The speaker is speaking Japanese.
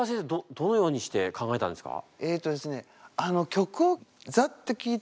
どのようにして考えたんですか？